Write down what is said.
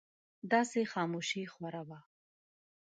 داسې خاموشي خوره وه.